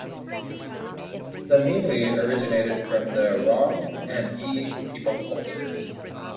The mili originated from the Rong and Yi people cultures.